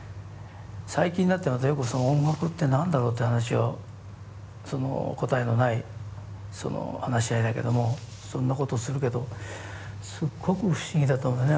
最近になってまたよく音楽って何だろうって話をその答えのないその話し合いだけどもそんなことするけどすっごく不思議だと思うね